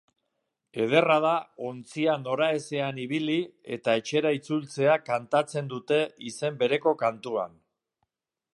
Ederra da ontzia noraezean ibili eta etxera itzultzea kantatzen dute izen bereko kantuan.